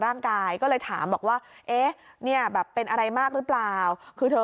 ร่างกายก็เลยถามบอกว่าเอ๊ะเนี่ยแบบเป็นอะไรมากหรือเปล่าคือเธอ